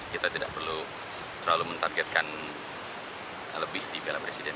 kita tidak perlu terlalu mentargetkan lebih di piala presiden